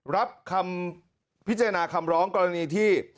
รับคำพิจารณาคำร้องกรณีที่